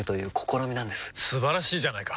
素晴らしいじゃないか！